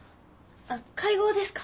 あっ会合ですか？